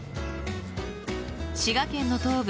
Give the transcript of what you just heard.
滋賀県の東部